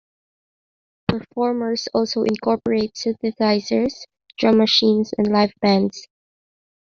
Performers also incorporate synthesizers, drum machines, and live bands.